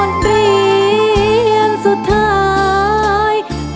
ขอบคุณครับ